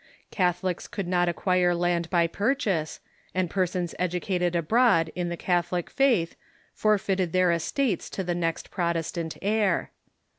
Catholics could not acquire land by purchase, and persons educated abroad in the Catholic faith forfeited their estates to the next Protestant heir.